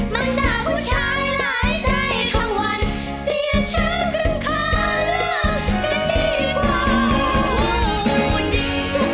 มันด่าผู้ชายหลายใจทั้งวันเสียเชิงกลึงคาเริ่มกระดีกัน